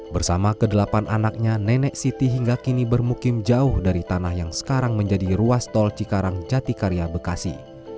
bersama kedelapan anaknya nenek siti hingga kini bermukim jauh dari tanah yang sekarang menjadi ruas tol cikarang jatikarya bekasi